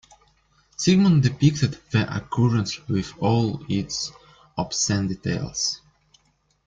Sigmund depicted the occurrence with all its obscene details.